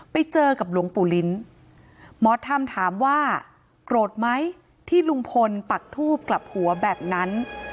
ไปเจอกับหลวงปู่ลิ้นหมอธรรมถามว่าโกรธไหมที่ลุงพลปักทูบกลับหัวแบบนั้น